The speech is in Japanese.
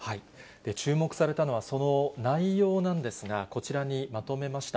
注目されたのは、その内容なんですが、こちらにまとめました。